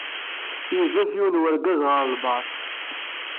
Yudef yiwen n urgaz ɣer lbaṛ...